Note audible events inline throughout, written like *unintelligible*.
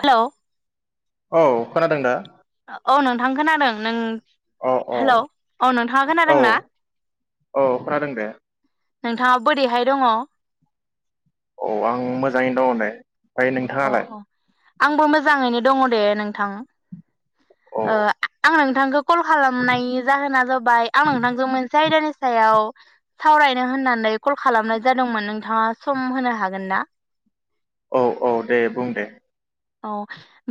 Hello. औ खोनादों दा? औ नोंथां खोनादों नों हेल औ नोंथाङा खोनादों ना? अ खोनादों दे। नोंथाङा बोरैहाय दङ? औ आं मोजाङैनो दङ' दे। ओमफ्राय अ नोंथाङालाय अ आंबो मोजाङैनो दङ' दे नोंथां। औ ओ आ आं थांखौ कल खालामनायनि जाहोना जाबाय आं नोंथांजों मोनसे आयदानि सायाव सावरायनो होननानै कल खालामनाय जादोंमोन। नोंथाङा सम होनो हागोन ना? औ औ दे बुं दे। औ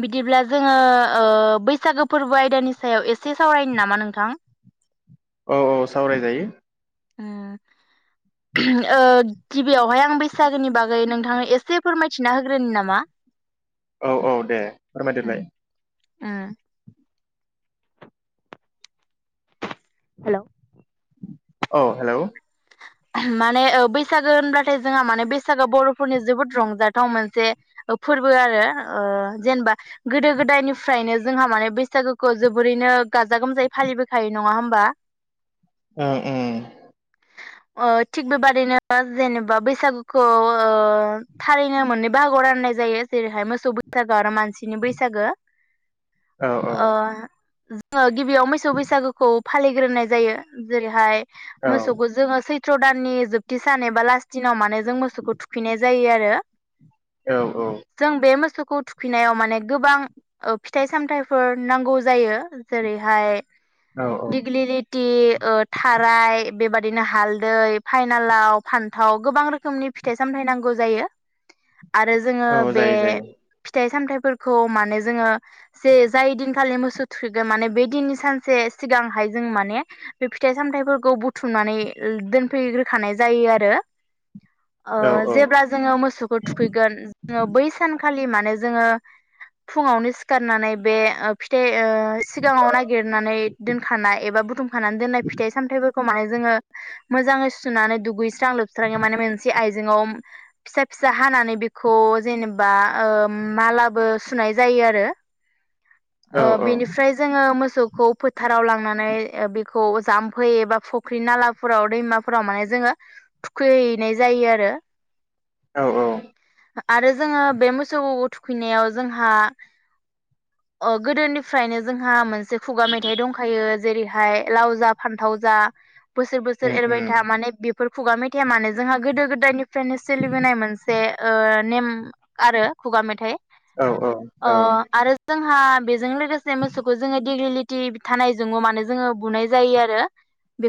बिदिब्ला जोङो ओ बैसागो फोरबो आयदानि सायाव एसे सावरायनि नामा नोंथां? औ औ सावरायजायो। ओ गिबियावहाय आं बैसागोनि बागै नोंथाङनो एसे फोरमायथिना होग्रोनोनि नामा? औ औ दे उम फोरमायदोलाय उम हेलौ औ हेलौ माने बैसागो होनब्लाथाय जोंहा माने बैसागोआ बरफोरनि जोबोद रंजाथाव मोनसे फोरबो आरो ओ जेनेबा गोदो गोदायनिफ्रायनो जोंहा माने बैसागोखौ जोबोरैनो गाजा गोमजायै फालिबोखायो नङा होमबा? ओं उम अ थिग बेबादिनो जेनेबा बैसागोखौ ओ थारैनो मोननै बाहागोआव राननाय जायो जेरैहाय मोसौ बैसागो आरो मानसिनि बैसागो औ औ अ जोङो गिबियाव मैसौ बैसागोखौ फालिग्रोनाय जायो जेरैहाय औ मोसौखौ जोङो सैथ त्र दाननि जोबथि सान एबा लास्ट दिनाव माने जों मोसौखौ थुखैनाय जायो आरो औ जों बे मोसौ खौ थुखैनायाव माने गोबां फिथाइ सामथायाइफोर नांगौ जायो जेरैहाय औ दिगलिलिटि थार राय बेबादिनो हाल दै फाइनालाव फान थाव गोबां रोखोमनि फिथाइ सामथाय नांगौ जायो आरो जोङो औ बे जायो जायो फिथाइ सामथायाइ फोरखौ माने जोङो जे जाय दिनखालि मोसौ थुखैगो माने बे दिननि सानसे सिगांहाय जों माने बे फिथाइ सामथाइफोरखौ बुथुमनानै दोनफैग्रोखानाय जायो आरो ओ औ जेब्ला जोङो मोसौखौ थुखैगोन जोङो बै सान खालि मानो जोङो फुङावनो सिखारनानै बे ओ सिगाङाव नागिरनानै दोनखानाय एबा बुथुमखानानै दोननाय फिथाइ सामथाइफोर खौ माने जोङो मोजाङै सुनानै दुगै स्रां लोबस्रां माने मोनसे आयज जेंआव फिसा फिसा हानानै बेखौ जेनेबा ओ मालाबो सुनाय जायो आरो ओ औ बेनिफ्राय जोङो मो सौखौ फोथाराव लांनानै बेखौ जामफै एबा फख्रि नाला फोराव दैमाफोराव माने जोङो थुखैहैनाय जायो आरो औ औ आरो जोङो बे मोसौ थुखैनायाव जोंहा ओ गोदोनिफ्रायनो जोंहा मोनसे खुगा मेथाइ दंखायो जेरैहाय लाव जा फान्थाव जा बोसोर बोसोर उम एरबाय उम था माने बेफोर खुगा मेथाइया मानो जोंहा गोदो गोदायनि फ्रायनो सोलिबोनाय मोनसे ओ। नेम आरो खुगा मेथाइ औ औ ओ औ आरो जों। हा बेजों लोगोसे मोसौखौ जोङो डिगलिटि थानायजों मानो जोङो बुनाय जायो आरो।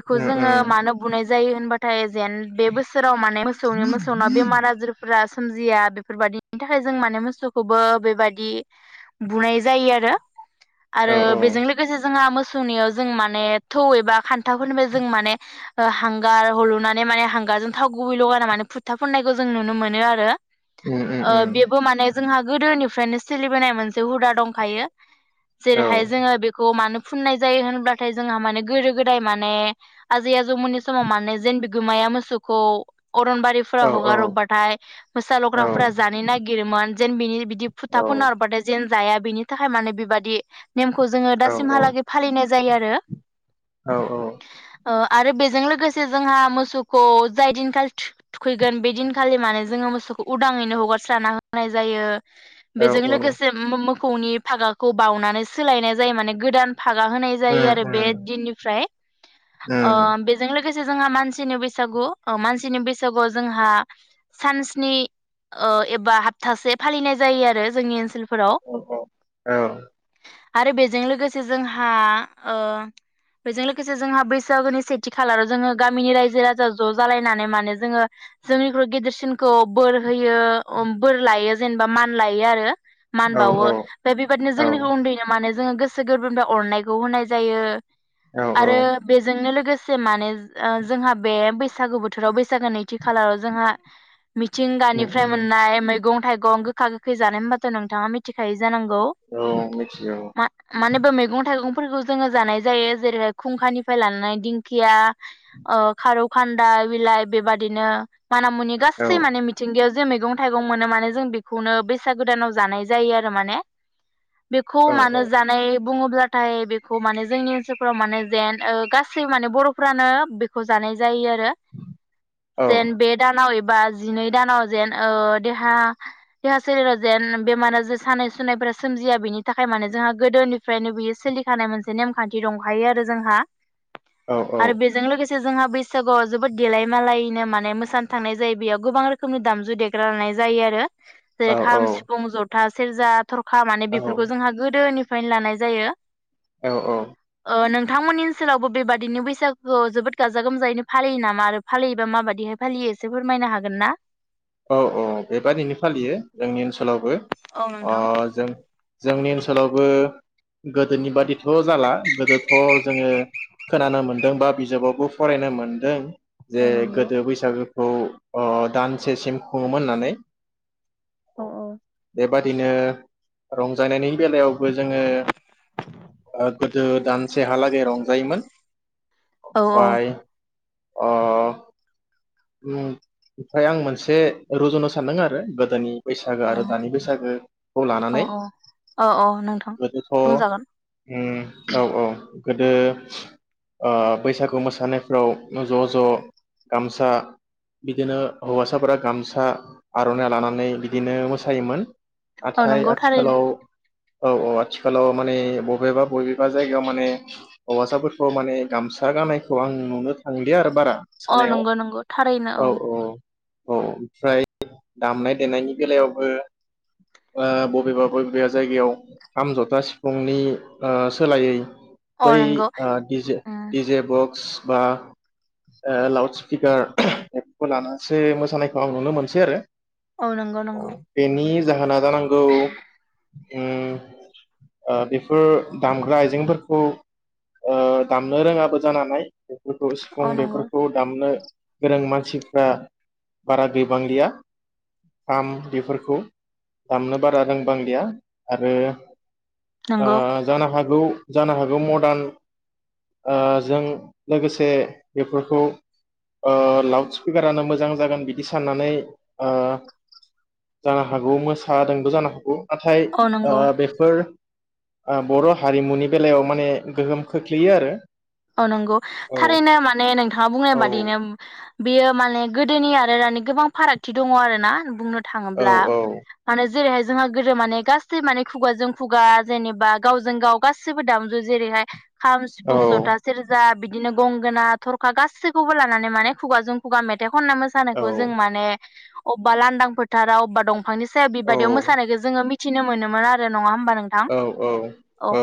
खौ उम जोङो उम मानो बुनाय जायो होनबा थाय। जेन बे बोसोराव माने मोसौनि मोसौना बेमार आजिरफोरा। सोमजिया बेफोरबायदिनि थाखाय जों माने मोसौखौबो बेबायदि बुनाय जायो आरो। औ आरो औ बेजों लोगोसे जोंहा मो। सुनियाव जों माने थौ एबा खान्थाफोरनिफाय जों माने ओ हांगार हलुनानै माने हांगारजों थाव गुबै लगायना माने फुथ्था फुननायखौ जों नुनो मोनो आरो। उम उम ओ उम बेबो माने जोंहा गोदोनिफ्रायनो सोलिबोनाय मोनसे हुदा दंखायो औ जेरैहाय जोङो बेखौ मानो फुननाय जायो होनब्लाथाय जोंहा माने गोदो गोदाय माने आजै आजौमोननि समाव मानो जेन बिगोमाया मोसौखौ अरनबारिफोरा औ हगार हरबाथाय मोसा औ लग्राफोरा जानो नागिरोमोन जेन बिनि बिदि फुथा फुना हरबाथाय जेन जाया बेनि थाखाय माने बेबादि नेमखौ जोङो दासिमहालागै फालिनाय जायो आरो। औ औ ओ आरो बेजों लोगोसे जोंहा मोसौखौ जाय दिनखालि थुख थुखैगोन बे दिनखालि माने जोङो मोसौखौ उदाङैनो हगारस्राना होनाय जायो। औ बेजों लोगोसे मो-मो खौनि फागाखौ बावनानै सोलायनाय जायो माने गोदान। फागा होनाय उम जायो आरो बे दिननिफ्राय उम ओ बेजों लोगो जोंहा मानसिनि बैसागु मानसिनि बैसागुआव जोंहा सानस्नी एबा हप्थासे फालिनाय जायो आरो जोंनि ओनसोल अ औ औ। आरो बेजों लोगोसे जोंहा बेजों लोगोसे लोगोसे जोंहा बैसागोनि सेथि खालाराव जोङो गामिनि रायजो राजा ज जालायनानै माने जोङो जोंनिख्रु गेदेरसिनखौ बोर होयो बोर लायो जेनेबा मान लायो आरो। मान औ बावो बे बेबायदिनो औ जोंनिखौ उन्दैनो माने जोङो गोसो गोरबोनिफ्राय अरनायखौ होनाय जायो। औ औ आरो बेजोंनो लोगोसे माने जोंहा बे बैसागो बोथोराव बैसागो नैथि खालाराव जोंहा उम मिथिंगानिफ्राय उम मोननाय मैगं नथाय गं गोखा गोखै जानाय होनबाथ नोंथाङा मिथिखायो जानांगौ औ मिथिगौ माने बे मैगं थाइगं *unintelligible* जोङो जानाय जायो जेरै खुंखानिफ्राय लानानै दिंखिया ओ खारौ खान्दा बिलाइ बेबादिनो माना मुनि औ गासै माने मिथिंगायाव जे मैगं थाइगं मोनो माने जों बेखौनो बैसागु दानाव जानाय जायो आरो माने बेखौ औ मानो जानाय बुङोब्लाथाय बेखौ माने जोंनि ओनसोलफोराव माने जेन ओ गासै माने बर'फ्रानो बेखौ जानाय जायो आ रो औ जेन बे दानाव एब बा जिनै दानाव जेन ओ देहा देहा सोलेराव जेन बेमारा जे सानाय सुनायफोरारा सोमजिया बेनि थाखाय माने जोंहा गोदोनिफ्रायनो बियो सोलिखानाय मोनसे नेमखान्थि दंखायो आरो जोंहा औ औ आरो बेजों लोगोसे जोंहा बैसागुआव जोबोद देलाय मालायैनो माने मोसानो थांनाय जायो बेयाव गोबां रोखोमनि दामजु देग्रा लानाय जायो आरो। जे खाम सिफुं ज था सेरजा थरखा माने औ बेफोरखौ जोंहा गोदोनि फ्रायनो लानाय जायो। औ औ अ नों थांमोननि ओनसोलावबो बेबादिनो बैसागुआव जोबोद गाजा गोमजायैनो फालियो नामा आरो फालियोबा माबायदिहाय फालियो एसे फोरमायनो हागोन ना? औ औ बेबादिनो फालियो जोंनि ओनसोलावबो औ अ नोंथां जों जोंनि ओनसोलावबो गोदोनि बादिथ जाला गोदोथ जोङो खोनानो मोनदों बा बिजाबावबो फरायनो मोनदों जे औ नंगौ गोदो बैसागो औ अ दान सेसिम खुङोमोन होननानै। औ औ बादिनो रंजानायनि बेलायाव बो जोङो *unintelligible* दानसेहालागै रंजायोमोन। औ औ ओमफाय अ उम ओमफाय आं मोनसे रुजुनो सानदों आरो गोदोनि बैसागु अ आरो दानि बैसागुखौ लानानै औ औ औ औ नोंथां गोदोथ बुंजागोन उम औ औ गोदो ओ बैसागु मोसानायफ्राव ज ज गामसा बिदिनो हौवासाफोरा गामसा आरनाइ लानानै बिदिनो मोसायोमोन। औ नाथाय नंगौ थारैनो आथिखालाव औ औ आथिखालाव माने बबेबा बबेबा जायगायाव माने हौवासाफोरखौ माने गामसा गाननायखौ आं नुनो थांलिया आरो बारा अ मोसानायाव नंगौ नंगौ । औ औ । औ ओमफ्राय दामनाय देनायनि बेलायावबो ओ बबेबा बबेबा जायगायाव खाम जथा सिफुंनि ओ सोलायै औ बै नंगौ ओ डिजे उम डिजे बक्स बा ए लाउड स्पिकार बेफोरखौ लानानैसो मोसानायखौ आं नुनो मोनसै आरो औ नंगौ नंगौ । जाहोना जानांगौ उम ओ बेफोर दामग्रा आइजेंफोरखौ ओ दामनो रोङाबो बेफोरखौ सिफुं औ नंगौ बेफोरखौ दामनो गोरों मानसिफ्रा बारा गैबांलिया आम बेफोरखौ दामनो बारा रोंबांलिया आरो ओ नंगौ जानो हागौ औ जानो हागौ मर्दान ओ जों लोगोसे बेफोरखौ ओ लाउड स्पिकारानो मोजां जागोन बिदि साननानै ओ जानो हागौ मोसादोंबो जानो हागौ नाथाय औ ओ नंगौ बेफोर ओ बर' हारिमुनि बेलायाव माने गोहोम खोख्लैयो आरो अ नंगौ औ थारैनो माने नोंथाङा बुंनाय औ बादिनो बियो माने गोदोनि आरो दानि गोबां फारागथि दङ आरो ना बुंनो औ थाङोब्ला माने जेरैहाय जोंहा गोदो माने गासै माने खुगाजों खुगा जेनेबा गावजों गाव गाससिबो दामजु जेरैहाय - खाम, औ सिफुं, जथा बिदिनो गंगोना, थरखा गासैखौबो लानानै माने खुगाजों खुगा मेथाइ खनना औ मोसानायखौ जों औ माने अबबा लान्दां फोथारा अबबा दंफां बिफांनि सायाव औ बेबादियाव मोसानायखौ जोङो मि मिथिनो मोनोमोन आरो नङा हबा नोंथां औ औ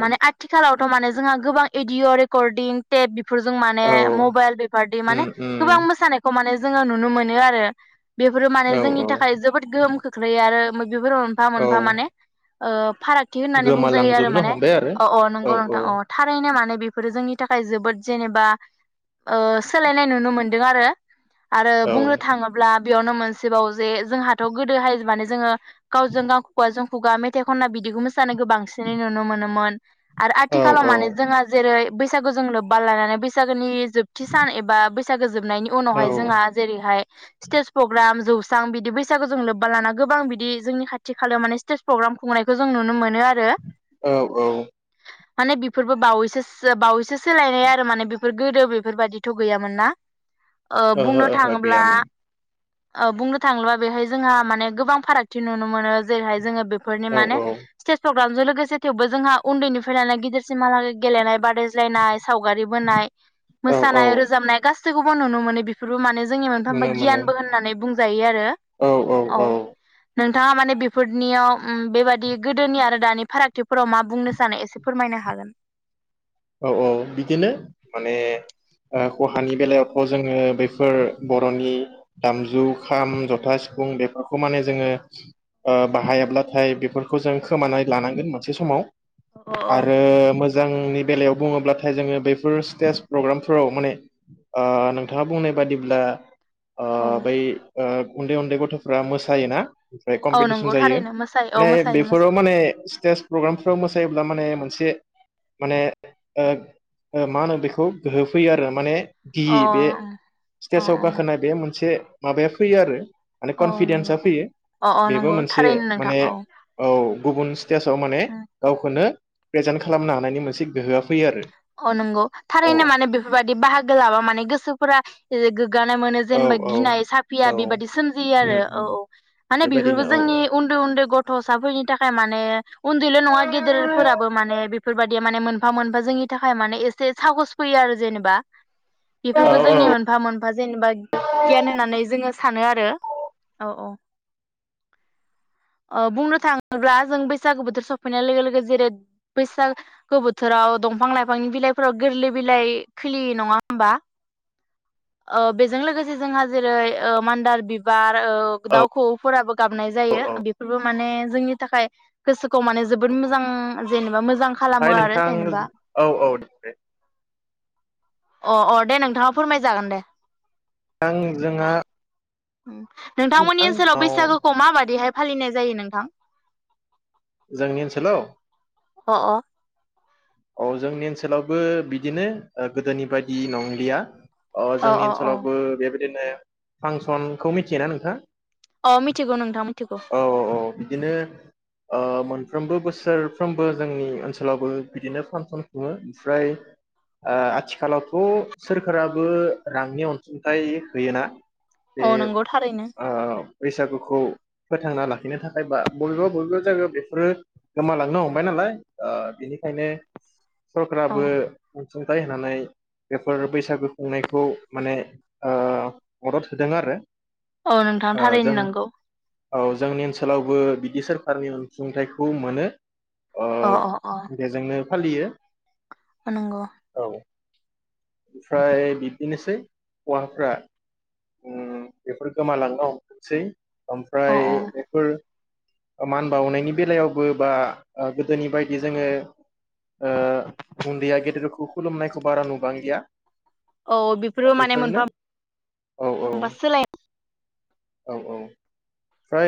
माने आथिखालाव माने जोंहा गोबां एडिअ र रेकरदिं तेप बेफोरजों माने औ मबाइल बेफोरदि माने उम उम गोबां मोसानायखौ माने जोङो नुनो मोनो आरो बेफोरो माने औ औ जोंनि थाखाय जोबोद गोहोम खोख्लैयो आरो बेफोर मोनफा औ मोनफा माने ओ फारागथि होननानै बुंजायो आरो गोमालांजोबनो माने हमबाय आरो अ अ औ नंगौ नोंथां अ थारैनो माने बेफोरो जोंनि थाखाय जोबोद जेनेबा ओ सोलायनाय नुनो मोनदों आरो आरो औ बुंनो थाङोब्ला बेयावनो मोनसेबाव जे जोंहाथ गोदोहाय माने जोङो गावजों गाव खौवाजों खुगा मेथाय खनना बिदिखौ मो सानायखौ बांसिनै नुनो मोनोमोन। आरो औ आथिखालाव माने जोंहा जेरै बैसागो जों लोब्बा लानानै बैसागोनि जोबथि सान एबा बै गो जोबनायनि औ उनावहाय जोंहा जेरैहाय स्टेज प्रग्राम जौ बेसेबां बिदि बैसागो जों लोब्बा लाना गोबां बिदि जोंनि खाथि खालायाव माने स्टेज प्रग्राम खुंनायखौ जों नुनो मोनो आरो औ औ माने बेफोरबो बावैसो बावैसो सोलायनाय आरो माने बेफोर गोदो बेफोरबायादिथ गैयामोन ना ओ बुंनो ओहो थाङोब्ला गैयामोन ओ बुंनो थाङोबा बेहाय जोंहा माने गोबां फारागथि नुनो मोनो जेरैहाय जोङो फोरनि औ माने औ सेज *unintelligible* लोगोसे थेवबो जोंहा उन्दैनिफ्रायैनानै गिदिरसिमहा लागै गेलेनाय बा रायज्लायनाय सावगारि बोनाय, औ औ मोसानाय रोजाबनाय गासैबो गाखौबो नुनो मोनो बेफोरबो माने जोंनि मोनफ्रोमबो नुनो मोनो गियानबो होननानै बुंजायो आरो औ औ औ नोंथाङा माने बेफोरनियाव उम बेबादि गोदोनि आरो दानि फारागथिफोराव मा बुंनो सानो एसे फोरमायनो हागोन। औ औ बिदिनो माने ओ खहानि बेलायावथ‌' जोङो बैफोर बर'नि दामजु खाम, जथा, सिफुं बेफोरखौ माने जोङो ओ बाहायाब्लाथाय बेफोरखौ जों खोमानानै लानांगोन मोनसे समाव औ आरो मोजा जांनि बेलायाव बुङोब्लाथाय जोङो बेफोर स्टेज प्रग्रामफोराव माने ओ नोंथाङा बुंनाय बादिब्ला ओ बै ओ उन्दै उन्दै गथ'फ्रा मोसायोना ओमफ्राय औ कम्पिटिसन नंगौ जायो थारैनो मोसायो औ ओमफ्राय मोसायो बेफोराव मोसायो माने स्टेज प्रग्रामफ्राव मोसायोब्ला माने मोनसे माने ओ ओ मा होनो बेखौ गोहो फैयो आरो माने अ गियि बे अ स्टेसआव गाखोनाय बे मोनसे माबाया फैयो आरो माने अ नंगौ कनफिदेन्सा फैयो अ अ बेबो नंगौ मोनसे थारैनो नोंथां माने औ औ गुबुन स्टेजाव माने उम गावखौनो प्रेजेन्ट खालामनो हानायनि मोनसे गोहोआ फैयो अ नंगौ थारैनो आरो माने बेफोरबायदि बाहागो लाबा माने गोसोफोरा गोग्गानाय मोनो औ जेनेबा गिनाय साफिया औ औ बेबायदि सोमजियो उम आरो औ उम औ माने बेफोरबो बेबायदिनो औ जोंनि उन्दै उन्दै गथसाफोरनि थाखाय माने उन्दैल नङा गेदेरफोराबो माने बेफोरबायदि माने मोनफा मोनफा जोंनि थाखाय माने एसे साहस फैयो आरो जेनेबा औ बेफोरबो जोंनि औ मोनफा मोनफा जेनेबा गियान होननानै जोङो सानो आरो औ औ औ बुंनो थाङोब्ला जों बैसागो बोथोर सफैनाय लोगो लोगो जेरै बैसागो बोथोराव दंफां लाइफां बिफांनि बिलाइफोराव गोरलै बिलाइ खिलियो नङा होमबा अ बेजों लोगोसे जोंहा जेरै ओ मान्दार बिबार ओमफ्राय औ दाउ खौऔफोराबो गाबनाय जायो औ बेफोरबो माने जोंनि थाखाय गोसोखौ माने जोबोद मोजां जेनेबा मोजां मोजां खालामो ओमफ्राय आरो नोंथां जेनेबा औ औ दे दे अ अ दे नोंथाङा फोरमायजागोन दे नोंथां जोंहा नोंथांमोननि नोंथां ओनसोलाव औ बैसागोखौ माबायदिहाय फालिनाय जायो नोंथां जोंनि ओनसोलाव अ अ औ जोंनि ओनसोलावबो बिदिनो गोदोनि बायदि नंलिया अ जोंनि ओनसोलावबो बेबा बिदिनो फांसनखौ मिथियोना नोंथाङा अ मिथिगौ नोंथां मिथिगौ औ औ बिदिनो ओ मोनफ्रोमबो बोस सोरफ्रोमबो जोंनि ओनसोलावबो बिदिनो फांसन खुङो ओमफ्राय ओ आथिखालावथ सोरखाराबो रांनि अनसुंथाइ होयोना बे औ नंगौ थारैनो ओ बैसागुखौ फोथांना लाखिनो थाखाय बा बबेबा बबेबा जायगायाव बेफोरो गोमालांनो हमबाय नालाय ओ खायनो औ सरखाराबो अनसुंथाइ होनानै बेफोर बैसागु खुंनायखौ माने ओ मदद होदों आरो औ नोंथां ओ जों थारैनो नोंगौ औ जोंनि ओनसोलावबो बिदि सोरखारनि अनसुंथाइखौ मोनो अ अ अ जोंनो फालियो अ नंगौ औ ओमफ्राय बिबदिनोसै हौवाफ्रा ओ बेफोर गोमालांनो हमथोंसै अ ओमफ्राय अ बेफोर मान बावनायनि बेलायावबो बा ओ गोदोनि बायदि जोङो ओ उन्दैया गेदेरखौ खुलुमनायखौ बारा नुबांलिया औ बेफोरबो माने बेफोरनो मोनफा औ मोनफा सोलायनाय औ औ फ्राय नों